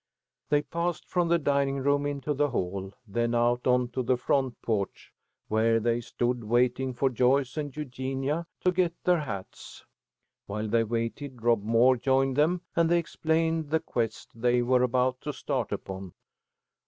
They passed from the dining room into the hall, then out on to the front porch, where they stood waiting for Joyce and Eugenia to get their hats. While they waited, Rob Moore joined them, and they explained the quest they were about to start upon.